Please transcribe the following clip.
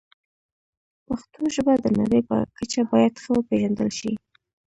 پښتو ژبه د نړۍ په کچه باید ښه وپیژندل شي.